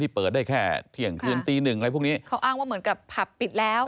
เปิดได้แค่เที่ยงคืนตีหนึ่งอะไรพวกนี้เขาอ้างว่าเหมือนกับผับปิดแล้ว